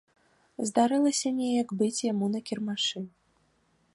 Здарылася неяк быць яму на кірмашы.